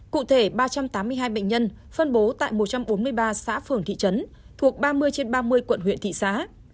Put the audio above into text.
cụ thể ba trăm tám mươi hai bệnh nhân phân bố tại một trăm bốn mươi ba xã phường thị trấn thuộc ba mươi trên ba mươi quận huyện thị xã